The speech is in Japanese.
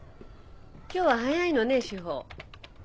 今日は早いのね汐。